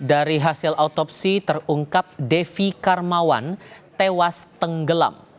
dari hasil autopsi terungkap devi karmawan tewas tenggelam